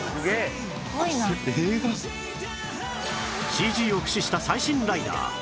ＣＧ を駆使した最新ライダー